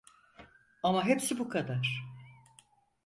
Ama hepsi bu kadar.